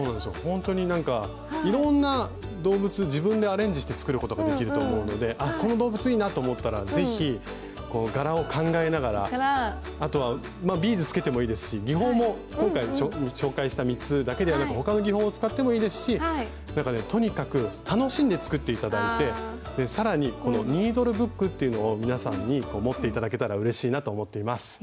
ほんとになんかいろんな動物自分でアレンジして作ることができると思うので「あっこの動物いいな」と思ったら是非柄を考えながらあとはビーズ付けてもいいですし技法も今回紹介した３つだけではなく他の技法を使ってもいいですしなんかねとにかく楽しんで作って頂いてさらにこのニードル・ブックっていうのを皆さんに持って頂けたらうれしいなと思っています。